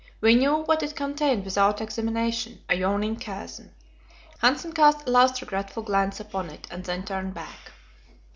We knew what it contained without examination a yawning chasm. Hanssen cast a last regretful glance upon it, and then turned back.